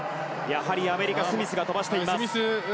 やはりアメリカ、スミスが飛ばしています。